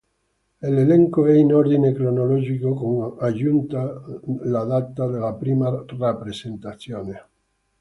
L'elenco è in ordine cronologico con aggiunta la data della prima rappresentazione.